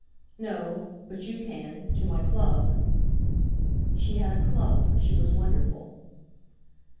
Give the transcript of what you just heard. "No; but you can—to my Club." She had a Club; she was wonderful!